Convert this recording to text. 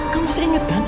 kamu masih inget kan